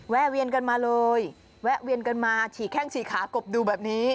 เวียนกันมาเลยแวะเวียนกันมาฉี่แข้งฉี่ขากบดูแบบนี้